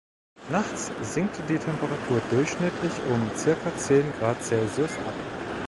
Nachts sinkt die Temperatur durchschnittlich um circa zehn Grad Celsius ab.